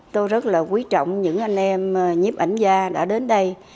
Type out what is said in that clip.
tôi rất là quý trọng những anh em nhiếp ảnh gia đã đến đây